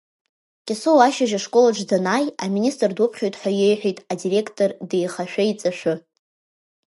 Кьасоу ашьыжь ашколаҿ данааи, аминистр дуԥхьоит ҳәа иеиҳәеит адиректор деихашәа-еиҵашәы.